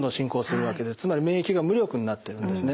つまり免疫が無力になっているんですね。